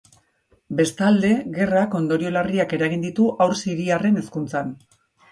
Bestalde, gerrak ondorio larriak eragin ditu haur siriarren hezkuntzan.